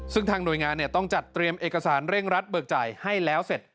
ซึ่งทางหน่วยงานต้องจัดเตรียมเอกสารเร่งรัดเบิกจ่ายให้แล้วเสร็จ